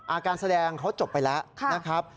อาการแบบแบบแรงเขาจบไปแล้ว